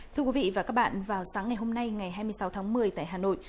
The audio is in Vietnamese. thưa quý vị và các bạn vào sáng ngày hôm nay ngày hai mươi sáu tháng một mươi tại hà nội